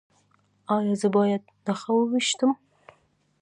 ایا زه باید نښه وویشتم؟